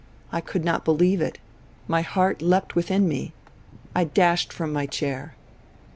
I could not believe it. My heart leapt within me. I dashed from my chair.